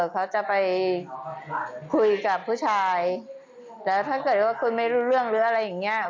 เขาจะไปคุยกับผู้ชายแล้วถ้าเกิดว่าคุณไม่รู้เรื่องหรืออะไรอย่างเงี้ย